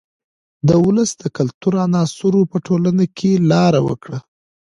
د ولس د کلتور عناصرو په ټولنه کې لار وکړه.